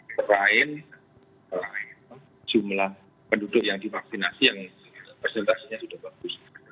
selain jumlah penduduk yang divaksinasi yang presentasinya sudah bagus